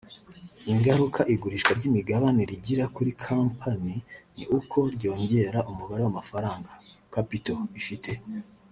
Ingaruka igurishwa ry’imigabane rigira kuri kompanyi ni uko ryongera umubare w’amafaranga (capital) ifite